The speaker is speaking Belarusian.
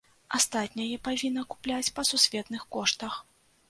Астатняе павінна купляць па сусветных коштах.